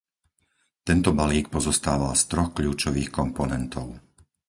Tento balík pozostával z troch kľúčových komponentov.